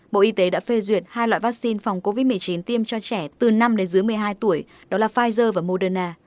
bộ y tế đã phê duyệt hai loại vaccine phòng covid một mươi chín tiêm cho trẻ từ năm đến dưới một mươi hai tuổi đó là pfizer và moderna